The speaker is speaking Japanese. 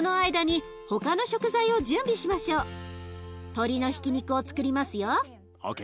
鶏のひき肉をつくりますよ。ＯＫ！